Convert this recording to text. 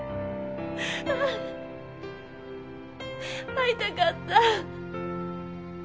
会いたかった！